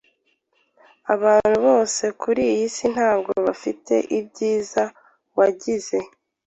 Abantu bose kuri iyi si ntabwo bafite ibyiza wagize.